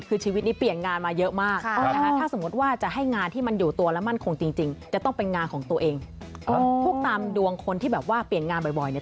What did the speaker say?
คนที่แบบว่าเปลี่ยนงานบ่อยเนี่ย